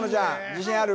自信ある？